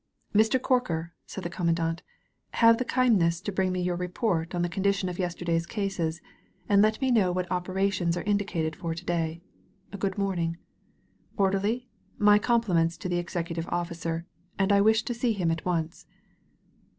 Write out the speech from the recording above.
"Mr. Corker," said the Commandant, "have the kindness to bring me your report on the con dition of yesterday's cases, and let me know what operations are indicated for to day. Good morning. Orderly, my compliments to the Executive Officer, and I wish to see him at once."